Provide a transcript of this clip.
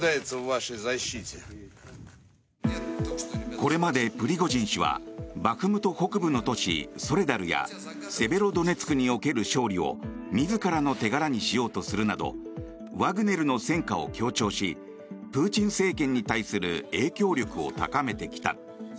これまで、プリゴジン氏はバフムト北部の都市ソレダルやセベロドネツクにおける勝利を自らの手柄にしようとするなどワグネルの戦果を強調しプーチン政権に対する影響力を高めてきた。